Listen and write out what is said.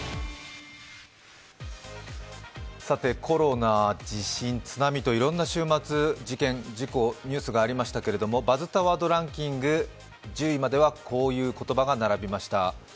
コロナ、地震、津波と週末、事件、事故、ニュースがありましたけれども、「バズったワードランキング」１０位まではこういう言葉が並びました。